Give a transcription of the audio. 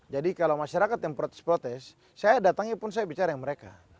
jadi kalau masyarakat yang protes protes saya datangnya pun saya bicara dengan mereka